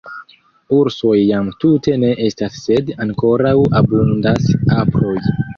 Ursoj jam tute ne estas sed ankoraŭ abundas aproj.